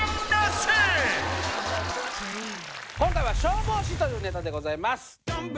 今回は消防士というネタでございます